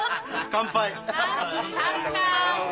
乾杯！